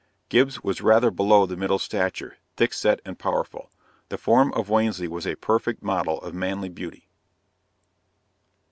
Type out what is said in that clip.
Gibbs was rather below the middle stature, thick set and powerful. The form of Wansley was a perfect model of manly beauty.